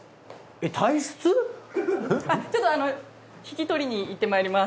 ちょっとあの引き取りに行ってまいります。